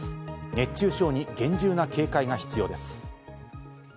熱中症に厳重な警戒が必要です。